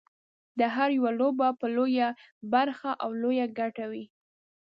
د هر یوه لپاره به لویه برخه او لویه ګټه وي.